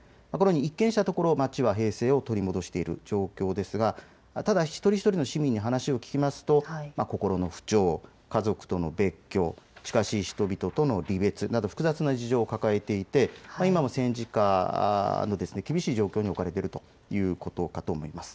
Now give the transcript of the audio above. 一見したところ、街は平静を取り戻している状況ですがただ一人一人の市民に話を聞くと心の不調、家族との別居、近しい人々との離別など複雑な事情を抱えていて今も戦時下の厳しい状況に置かれているということかと思います。